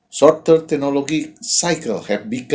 kekulangan teknologi yang lebih pendek